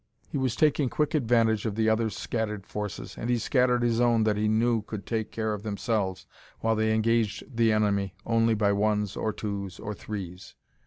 He was taking quick advantage of the other's scattered forces, and he scattered his own that he knew could take care of themselves while they engaged the enemy only by ones or twos or threes.